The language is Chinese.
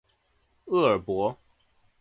厄尔伯。